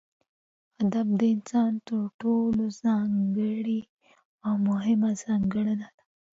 ادب دانسان تر ټولو ځانګړې او مهمه ځانګړنه ده